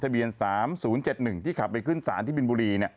ที่ขับไปครึ่งสานที่บินบุรี